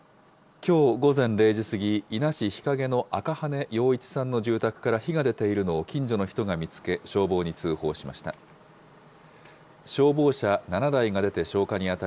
きょう午前０時過ぎ、伊那市日影の赤羽洋一さんの住宅から火が出ているのを近所の人が見つけ、消防に通報しました。